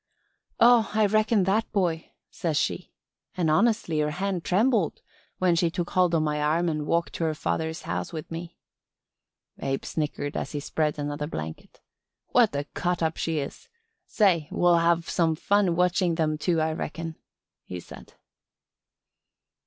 'Oh, I reckon that boy,' says she. And honestly her hand trembled when she took hold of my arm and walked to her father's house with me." Abe snickered as he spread another blanket. "What a cut up she is! Say, we'll have some fun watching them two I reckon," he said.